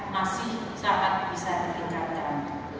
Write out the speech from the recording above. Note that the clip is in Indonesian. masih sangat bisa ditingkatkan